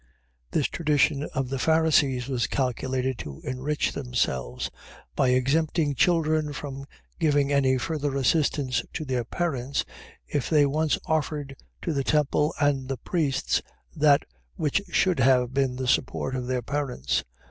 This tradition of the Pharisees was calculated to enrich themselves; by exempting children from giving any further assistance to their parents, if they once offered to the temple and the priests, that which should have been the support of their parents.